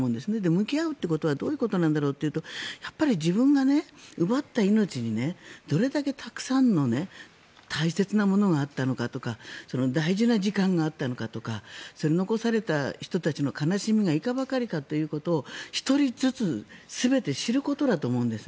向き合うということはどういうことなんだろうというと自分が奪った命にどれだけたくさんの大切なものがあったのかとか大事な時間があったのかとか残された人たちの悲しみがいかばかりかということを１人ずつ全て知ることだと思うんです。